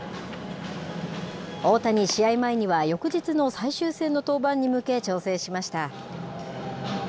大谷、試合前には翌日の最終戦の登板に向け調整しました。